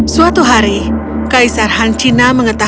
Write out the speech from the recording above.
suatu hari kaisar han china mengetahui